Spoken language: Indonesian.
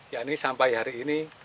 yakni sampai hari ini